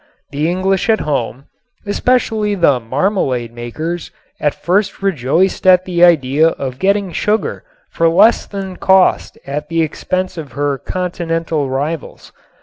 The English at home, especially the marmalade makers, at first rejoiced at the idea of getting sugar for less than cost at the expense of her continental rivals.